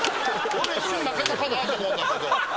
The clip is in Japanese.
俺一瞬負けたかなと思うんだけど。